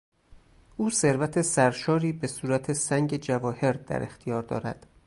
او ثروت سرشاری به صورت سنگ جواهر در اختیار دارد.